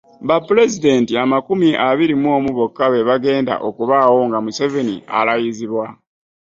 Ba pulezidenti amakumi abiri mu omu bokka be bagenda okubaawo nga Museveni alayizibwa